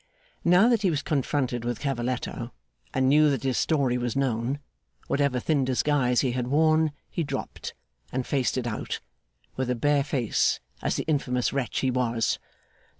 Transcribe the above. Now that he was confronted with Cavalletto, and knew that his story was known whatever thin disguise he had worn, he dropped; and faced it out, with a bare face, as the infamous wretch he was.